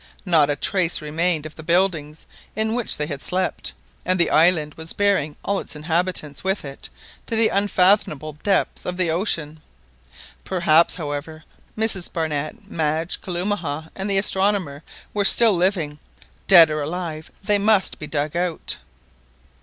Not a trace remained of the buildings in which they had slept, and the island was bearing all its inhabitants with it to the unfathomable depths of the ocean! Perhaps, however, Mrs Barnett, Madge, Kalumah, and the astronomer, were still living! Dead or alive they must be dug out.